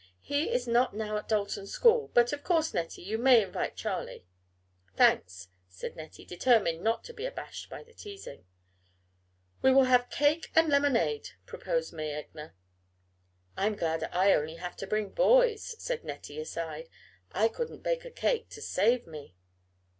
He is not now at Dalton school, but of course, Nettie, you may invite Charlie." "Thanks," said Nettie, determined not to be abashed by the teasing. "We will have cake and lemonade," proposed May Egner. "I'm glad I only have to bring boys," said Nettie aside, "I couldn't bake a cake to save me."